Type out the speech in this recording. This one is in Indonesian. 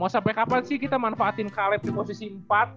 mau sampai kapan sih kita manfaatin karet di posisi empat